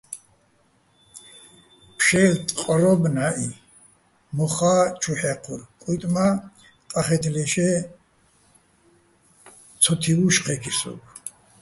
ფშე́ლ, ტყვრო́ბ ნჵაჸი, მოხა́ ჩუ ჰ̦ე́ჴორ, კუჲტი̆ მა́ ყახე́თლაშე́ ცოთივუშ ჴე́ქირ სოგო̆.